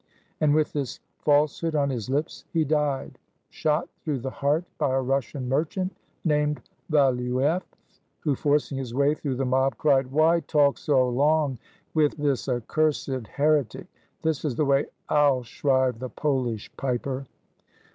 And with this falsehood on his lips he died, shot through the heart by a Russian merchant named Valuief, who, forcing his way through the mob, cried, "Why talk so long with this accursed heretic? This is the way I'll shrive the Polish piper!"